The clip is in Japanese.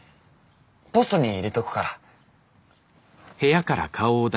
ポストに入れとくから。